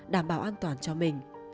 đảm bảo an toàn cho mình